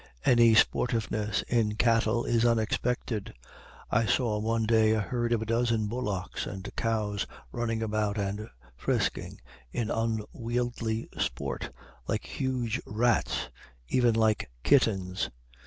Any sportiveness in cattle is unexpected. I saw one day a herd of a dozen bullocks and cows running about and frisking in unwieldy sport, like huge rats, even like kittens.